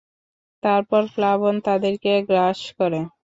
তারপর প্লাবন তাদেরকে গ্রাস করে।